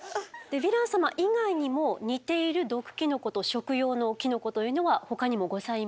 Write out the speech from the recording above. ヴィラン様以外にも似ている毒キノコと食用のキノコというのはほかにもございます。